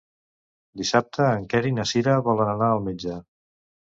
Dissabte en Quer i na Cira volen anar al metge.